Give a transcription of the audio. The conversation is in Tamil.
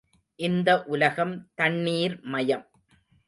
இந்த உலகம் தண்ணீர் மயம்.